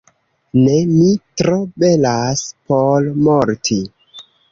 Ne! Mi tro belas por morti.